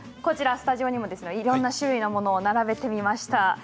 スタジオにもいろいろな種類のものを並べてみました。